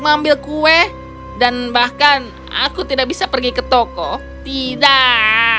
hai aku tidak bisa pergi ke toko tidak